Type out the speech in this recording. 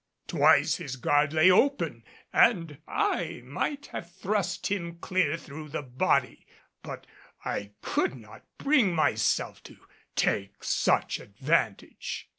Twice his guard lay open and I might have thrust him clear through the body, but I could not bring myself to take such advantage.